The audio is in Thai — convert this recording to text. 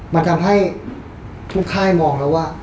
มันทำให้ทุกค่ายมองแล้วว่า